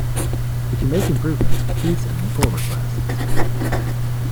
If you make improvements, please send me pull requests!